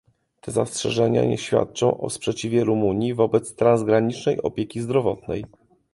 Te zastrzeżenia nie świadczą o sprzeciwie Rumunii wobec transgranicznej opieki zdrowotnej